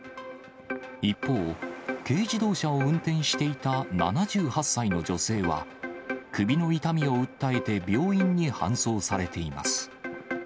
一方、軽自動車を運転していた７８歳の女性は、首の痛みを訴えて病院に搬送されています。